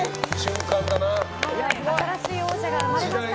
新しい王者が生まれました。